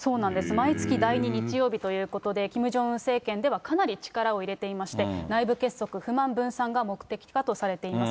毎月第２日曜日ということで、キム・ジョンウン政権ではかなり力を入れていまして、内部結束、不満分散が目的かとされています。